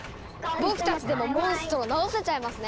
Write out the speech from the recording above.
僕たちでもモンストロ治せちゃいますね。